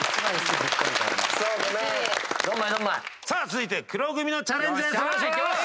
続いて黒組のチャレンジです。